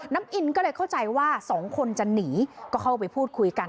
อินก็เลยเข้าใจว่าสองคนจะหนีก็เข้าไปพูดคุยกัน